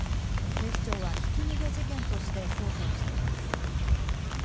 警視庁はひき逃げ事件として捜査をしています。